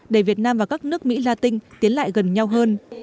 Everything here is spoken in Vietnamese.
để việt nam và các nước mỹ la tinh tiến lại gần nhau hơn